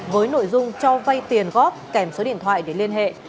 với nội dung cho vay tiền góp kèm số điện thoại để liên hệ